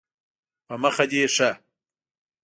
په مخه دې ښه